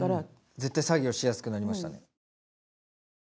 ずっと作業しやすくなりましたね。